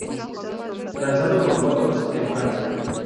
Lanzado por Motors en Francia.